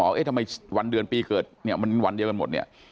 เอ๊ะทำไมวันเดือนปีเกิดเนี่ยมันวันเดียวกันหมดเนี่ย